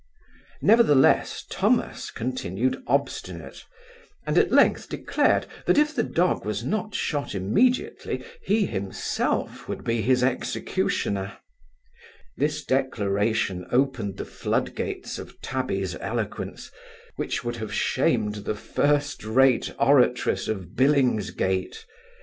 Nevertheless, Thomas continued obstinate; and, at length declared, that if the dog was not shot immediately, he himself would be his executioner This declaration opened the flood gates of Tabby's eloquence, which would have shamed the first rate oratress of Billingsgate.